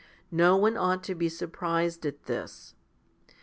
No one ought to be surprised at this.